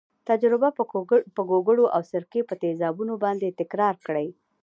تجربه په ګوګړو او سرکې په تیزابونو باندې تکرار کړئ.